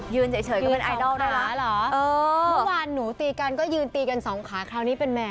ยืนเฉยก็เป็นไอดอลนะครับ